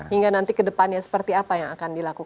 hingga nanti ke depannya seperti apa yang akan dilakukan